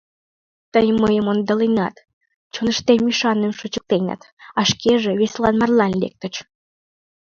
Тый мыйым ондаленат, чоныштем ӱшаным шочыктенат, а шкеже весылан марлан лектыч.